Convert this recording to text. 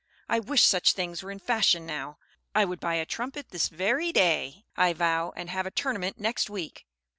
I wish such things were in fashion now; I would buy a trumpet this very day, I vow, and have a tournament next week."